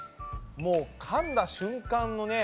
もうかんだ瞬間のね。